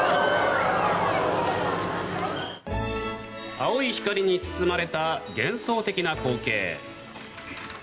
青い光に包まれた幻想的な光景。